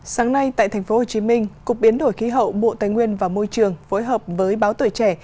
sáng nay tại tp hcm cục biến đổi khí hậu bộ tài nguyên và môi trường phối hợp với báo tuổi trẻ